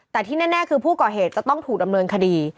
แต่ที่แน่คือผู้ก่อเหตุจะต้องถูกดำเนินคดี